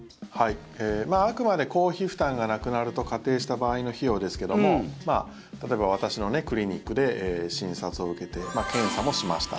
あくまで公費負担がなくなると仮定した場合の費用ですけども例えば私のクリニックで診察を受けて、検査もしました。